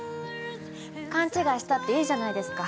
かんちがいしたっていいじゃないですか。